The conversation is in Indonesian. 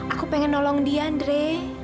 aku pengen nolong dia andre